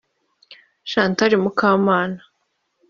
Chantal Mukamana